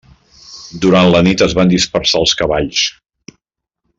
Durant la nit es van dispersar els cavalls.